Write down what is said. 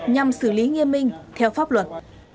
nhằm xử lý nghiêm minh theo pháp luật